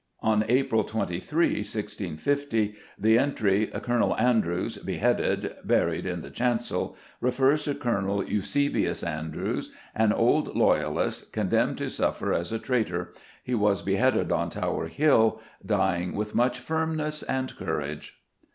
On April 23, 1650, the entry, "Colonel Andrewes beheaded; buried in ye chancel," refers to Colonel Eusebius Andrewes, "an old Loyalist, condemned to suffer as a traitor. He was beheaded on Tower Hill, dying with much firmness and courage."